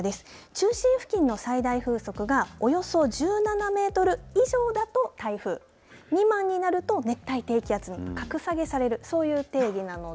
中心付近の最大風速がおよそ１７メートル以上だと台風未満になると熱帯低気圧に格下げされるそういう定義なので。